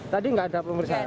tadi nggak ada pemeriksaan